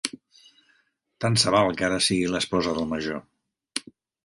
Tant se val que ara sigui l'esposa del major.